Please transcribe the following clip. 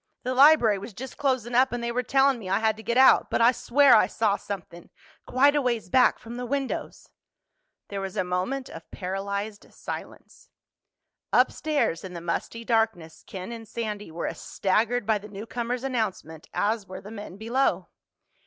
The library was just closin' up and they were tellin' me I had to get out. But I swear I saw somethin'—quite a ways back from the windows." There was a moment of paralyzed silence. Upstairs, in the musty darkness, Ken and Sandy were as staggered by the newcomer's announcement as were the men below.